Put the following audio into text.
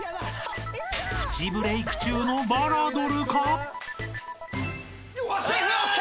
［プチブレーク中のバラドルか！？］ＯＫ！